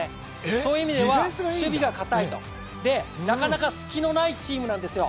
そういう意味では守備がかたいと、なかなか隙のないチームなんですよ。